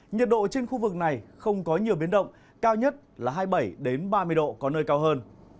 nhiệt độ trên khu vực này không có nhiều biến động cao nhất là hai mươi bảy ba mươi độ có nơi cao hơn